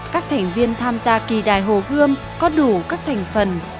các thành viên tham gia kỳ đài hồ gươm có đủ các thành phần